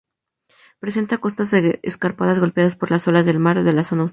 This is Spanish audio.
Presentan costas escarpadas, golpeadas por las olas del mar de la Zona Austral.